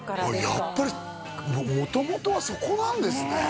やっぱり元々はそこなんですねねえ